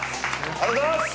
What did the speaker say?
ありがとうございます！